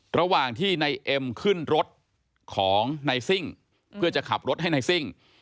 ระหว่างที่นายเอ็มขึ้นรถของนายซิ่งเพื่อจะขับรถให้นายซิ่ง